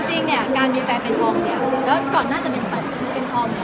จริงเนี่ยการมีแฟนเป็นทองเนี่ยก่อนหน้าจะเป็นทองเนี่ย